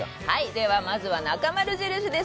では、まずは「なかまる印」です。